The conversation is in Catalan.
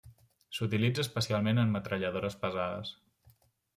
S'utilitza especialment en metralladores pesades.